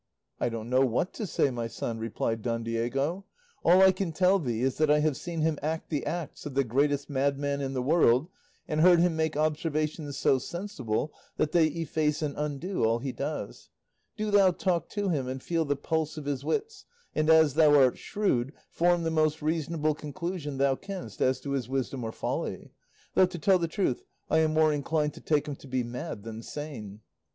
"I don't know what to say, my son," replied. Don Diego; "all I can tell thee is that I have seen him act the acts of the greatest madman in the world, and heard him make observations so sensible that they efface and undo all he does; do thou talk to him and feel the pulse of his wits, and as thou art shrewd, form the most reasonable conclusion thou canst as to his wisdom or folly; though, to tell the truth, I am more inclined to take him to be mad than sane."